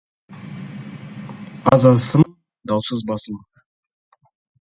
Аз асым, даусыз басым.